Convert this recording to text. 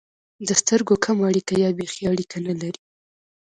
د سترګو کمه اړیکه یا بېخي اړیکه نه لري.